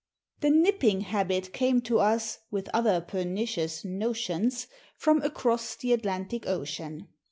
The "nipping habit" came to us, with other pernicious "notions," from across the Atlantic Ocean.